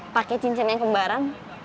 pake cincin yang kembaran